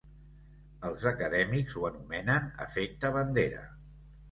Els acadèmics ho anomenen efecte bandera.